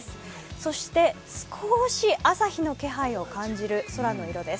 そして少し朝日の気配を感じる空の色です。